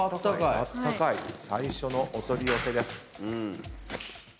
最初のお取り寄せです。